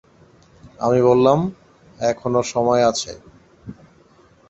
আমি বললাম, এখনো সময় আছে।